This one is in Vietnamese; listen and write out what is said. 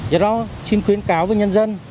do đó xin khuyến cáo với nhân dân